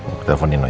aku telepon nino ya